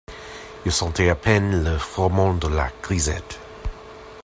Il sentait à peine le frôlement de la grisette.